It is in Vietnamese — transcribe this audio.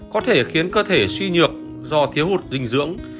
có thể khiến cơ thể suy nhược do thiếu hụt dinh dưỡng